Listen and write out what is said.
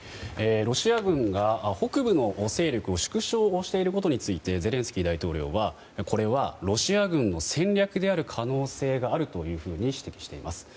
ロシア軍が北部の勢力を縮小していることについてゼレンスキー大統領はこれはロシア軍の戦略である可能性があるというふうに指摘しています。